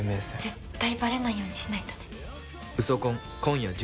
絶対ばれないようにしないとね。